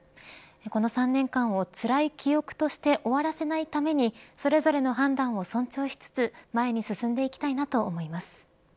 この３年間をつらい記憶として終わらせないためにそれぞれの判断を尊重しつつ前に進んでいきたいなと思います。